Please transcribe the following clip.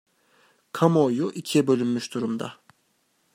Kamuoyu ikiye bölünmüş durumda.